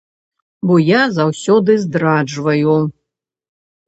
Бо я заўсёды здраджваю.